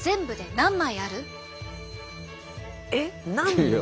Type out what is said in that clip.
えっ何枚？